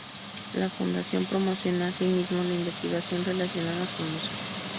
La Fundación promociona asimismo la investigación relacionada con Mozart.